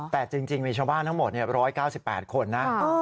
แต่จริงมีชาวบ้านทั้งหมด๑๙๘คนนะ